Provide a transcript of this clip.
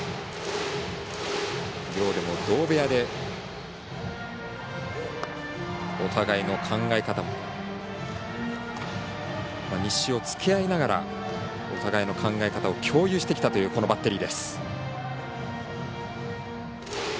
寮でも同部屋で日誌をつけあいながらお互いの考え方を共有してきたというこのバッテリー。